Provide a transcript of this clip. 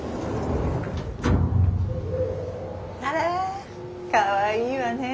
あらかわいいわね。